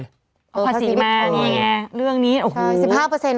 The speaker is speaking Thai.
ประสมานี่ไงเรื่องนี้โอ้โห